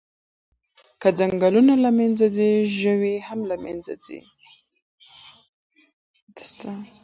که ځنګلونه له منځه ځي، ژوي هم له منځه ځي.